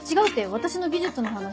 私の技術の話。